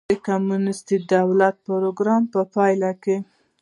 د کمونېستي دولت پروګرام په پایله کې.